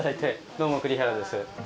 どうも栗原です。